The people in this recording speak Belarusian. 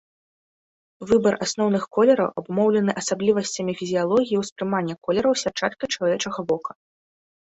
Выбар асноўных колераў абумоўлены асаблівасцямі фізіялогіі ўспрымання колераў сятчаткай чалавечага вока.